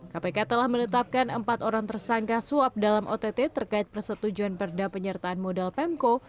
kpk telah menetapkan empat orang tersangka suap dalam ott terkait persetujuan perda penyertaan modal pemko